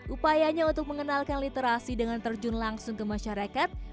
upayanya untuk mengenalkan literasi dengan terjun langsung ke masyarakat